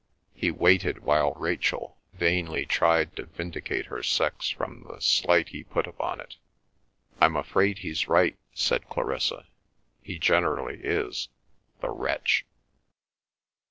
He waited, while Rachel vainly tried to vindicate her sex from the slight he put upon it. "I'm afraid he's right," said Clarissa. "He generally is—the wretch!"